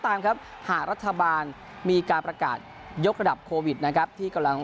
ตามครับหากรัฐบาลมีการประกาศยกระดับโควิดนะครับที่กำลัง